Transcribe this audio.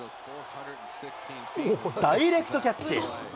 ダイレクトキャッチ。